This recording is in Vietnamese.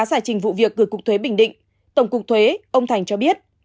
giải trình vụ việc gửi cục thuế bình định tổng cục thuế ông thành cho biết